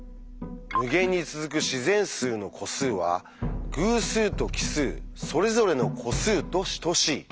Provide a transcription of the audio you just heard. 「無限に続く自然数の個数は偶数と奇数それぞれの個数と等しい」。